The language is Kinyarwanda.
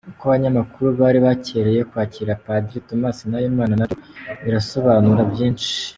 Uko abanyamakuru bari bacyereye kwakira Padiri Thomas Nahimana nabyo birasobanura byinshi.